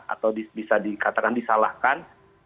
atau bisa dikatakan disalahkan